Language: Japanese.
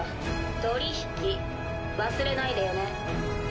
取り引き忘れないでよね。